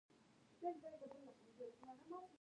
دوی د عدالت او یووالي خبرې شعار دي.